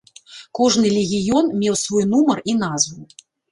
Кожны легіён меў свой нумар і назву.